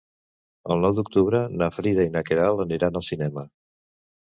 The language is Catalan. El nou d'octubre na Frida i na Queralt aniran al cinema.